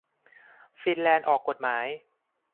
ฟินแลนด์ออกกฎหมาย